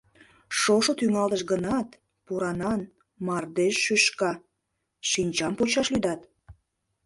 Шошо тӱҥалтыш гынат, поранан, мардеж шӱшка — шинчам почаш лӱдат...